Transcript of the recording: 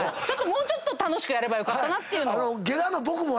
もうちょっと楽しくやればよかったなっていうのを。